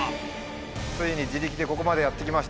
ついに自力でここまでやって来ました。